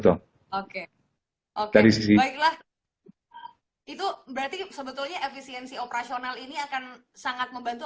itu berarti sebetulnya efisiensi operasional ini akan sangat membantu